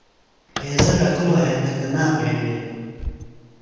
ہیضہ ڈھکِلوۡ ہینتہ کنا بھینڈیوۡ؟